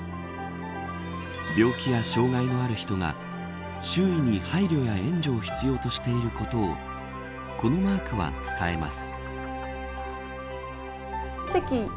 病気や障害のある人が周囲に、配慮や援助を必要としていることをこのマークは伝えます。